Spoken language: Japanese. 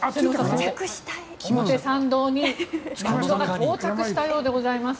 表参道にマグロが到着したようでございます。